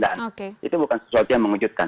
dan itu bukan sesuatu yang mengejutkan